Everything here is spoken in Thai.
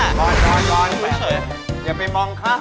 นอนอย่าไปมองคะ